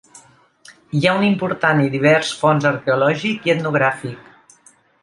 Hi ha un important i divers fons arqueològic i etnogràfic.